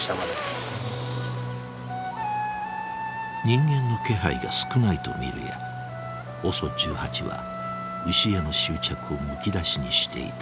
人間の気配が少ないと見るやＯＳＯ１８は牛への執着をむき出しにしていた。